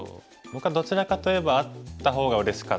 僕はどちらかといえばあった方がうれしかったですね。